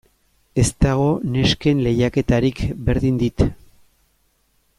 Ez dago nesken lehiaketarik, berdin dit.